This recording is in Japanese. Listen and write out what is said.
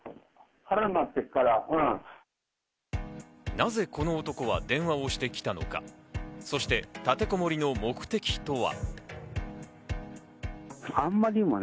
なぜこの男は電話をしてきたのか、そして立てこもりの目的とは。